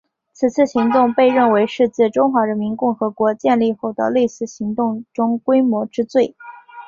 此次行动被认为是自中华人民共和国建立后的类似行动中规模之最。